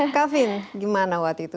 kavin gimana waktu itu